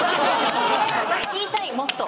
言いたいもっと。